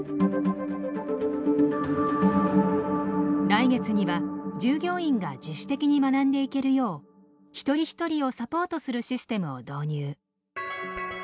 来月には従業員が自主的に学んでいけるよう一人一人をサポートするシステムを導入。